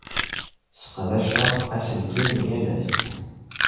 Sseqdaceɣ aselkim yal ass.